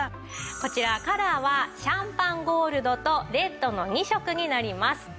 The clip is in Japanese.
こちらカラーはシャンパンゴールドとレッドの２色になります。